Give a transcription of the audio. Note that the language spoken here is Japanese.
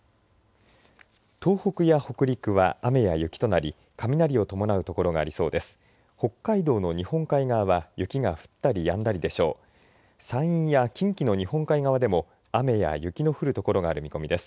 東北や北陸は雨や雪となり雷を伴う所がありそうです。